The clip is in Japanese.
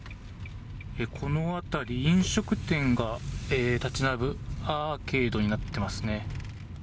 この辺り、飲食店が建ち並ぶアーケードになってますね。